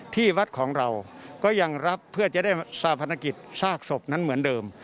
ที่วัดของเราก็ยังรับเพื่อจะได้สาพันธกิจซากศพนั้นเหมือนเดิม